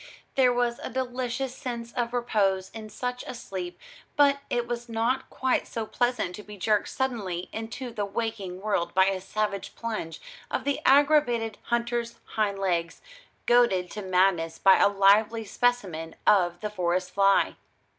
There was a delicious sense of repose in such a sleep, but it was not quite so pleasant to be jerked suddenly into the waking world by a savage plunge of the aggravated hunter's hindlegs, goaded to madness by a lively specimen of the forest fly.